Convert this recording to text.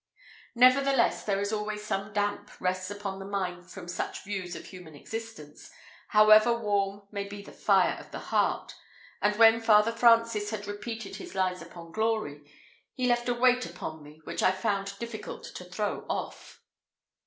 Nevertheless, there is always some damp rests upon the mind from such views of human existence, however warm may be the fire of the heart; and when Father Francis had repeated his lines upon Glory, he left a weight upon me which I found difficult to throw off.